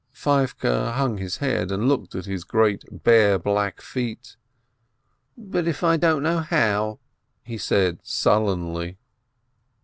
Feivke hung his head and Iboked at his great, bare, black feet. "But if I don't know how," he said sul lenly.